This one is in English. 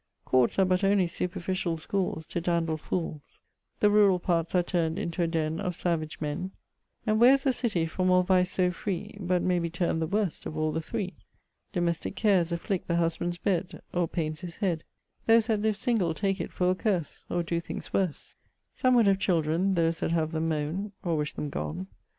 Courts are but onely superficiall scholes To dandle fooles; The rurall parts are turn'd into a den Of savage men; And wher's a city from all vice so free, But may be term'd the worst of all the three? Domestick cares afflict the husband's bed Or paines his hed; Those that live single take it for a curse, Or doe things worse; Some would have children; those that have them mone, Or wish them gone.